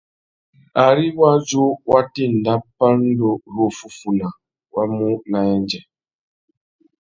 Ari wādjú wa tà enda pandúruffúffuna, wá mú nà yêndzê.